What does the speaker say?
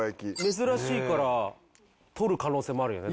珍しいから取る可能性もあるよね。